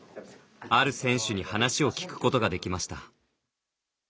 ある選手に話を聞くことができました。